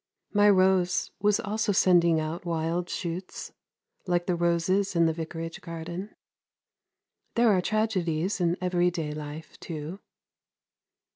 My rose was also sending out wild shoots like the roses in the vicarage garden. There are tragedies in everyday life too.